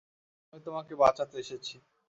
আমি তোমাকে বাঁচাতে এসেছি।